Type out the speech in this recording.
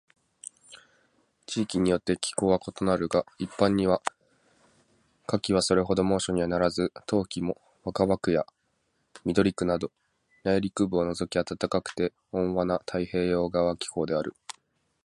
地域によって気候は異なるが、一般には夏季はそれほど猛暑にはならず、冬季も若葉区や緑区など内陸部を除き暖かくて温和な太平洋側気候である。